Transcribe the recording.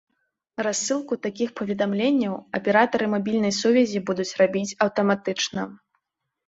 Рассылку такіх паведамленняў аператары мабільнай сувязі будуць рабіць аўтаматычна.